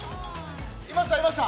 いました、いました。